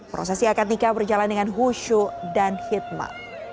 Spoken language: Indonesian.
prosesi akad nikah berjalan dengan husu dan hitma